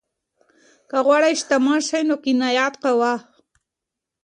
که غواړې شتمن شې نو قناعت کوه.